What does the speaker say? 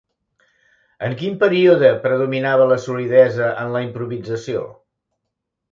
En quin període predominava la solidesa en la improvisació?